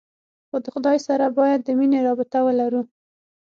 خو د خداى سره بايد د مينې رابطه ولرو.